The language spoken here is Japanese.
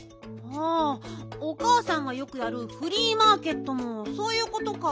あおかあさんがよくやるフリーマーケットもそういうことか。